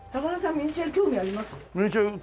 ミニチュア興味ありますよ。